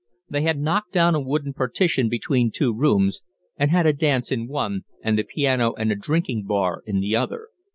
They had knocked down a wooden partition between two rooms, and had a dance in one and the piano and a drinking bar in the other.